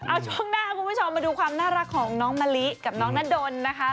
เอาช่วงหน้าคุณผู้ชมมาดูความน่ารักของน้องมะลิกับน้องนาดนนะคะ